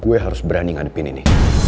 gue harus berani ngadepin ini